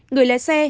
người lé xe